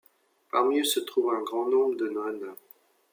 Parmi eux se trouvent un grand nombre de nonnes.